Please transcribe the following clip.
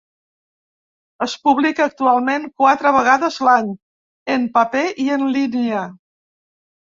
Es publica actualment quatre vegades l'any, en paper i en línia.